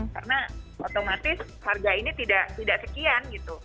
karena otomatis harga ini tidak sekian